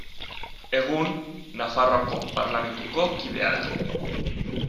Egun, Nafarroako Parlamentuko kidea da.